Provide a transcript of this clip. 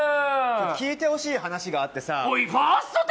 聞いてほしい話があってさ